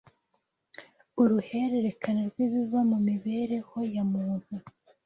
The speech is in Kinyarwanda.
uruhererekane rw’ibiba mu mibereho ya muntu